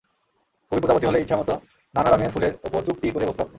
কবি প্রজাপতি হলে ইচ্ছেমত নানা রঙের ফুলের ওপর চুপটি করে বসতে পারতেন।